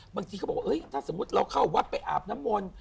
บางทีเขาบอกว่าถ้าสมมุติเราเข้าวัดไปอาบน้ำมนต์